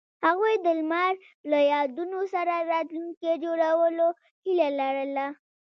هغوی د لمر له یادونو سره راتلونکی جوړولو هیله لرله.